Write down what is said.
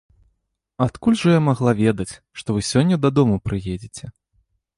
Адкуль жа я магла ведаць, што вы сёння дадому прыедзеце.